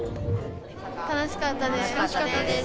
楽しかったです。